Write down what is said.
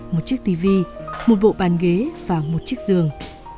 một chiếc tv một bộ bàn ghế và một chiếc giường